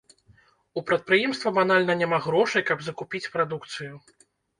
У прадпрыемства банальна няма грошай, каб закупіць прадукцыю.